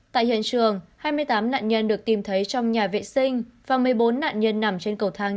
tại hiện trường hai mươi tám nạn nhân được tìm thấy trong nhà vệ sinh và một mươi bốn nạn nhân nằm trên cầu thang